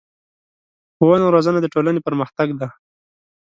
ښوونه او روزنه د ټولنې پرمختګ دی.